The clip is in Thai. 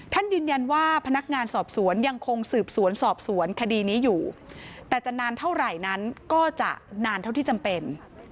ท่านยืนยันว่าพนักงานสอบสวนยังคงสืบสวนสอบสวนคดีนี้อยู่แต่จะนานเท่าไหร่นั้นก็จะนานเท่าที่จำเป็น